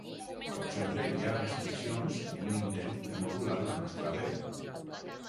Com sempre, hi ha restriccions i un intent de modular la nostra veu.